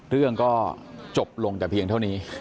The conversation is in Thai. เรื่องก็จบลงแต่เพียงเท่านี้